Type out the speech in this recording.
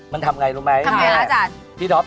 บางความหลงมันมาบดต่าง